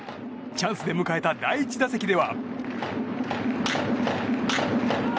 チャンスで迎えた第１打席では。